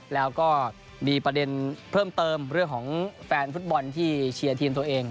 แล้วก็มีประเด็นเพิ่มเติมเรื่องของแฟนฟุตบอลที่เชียร์ทีมตัวเอง